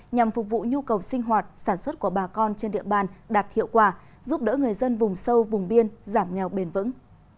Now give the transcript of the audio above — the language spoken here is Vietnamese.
nhằm phục vụ nhu cầu sinh hoạt sản xuất của bà con trên địa bàn đạt hiệu quả giúp đỡ người dân vùng sâu vùng biên giảm nghèo bền vững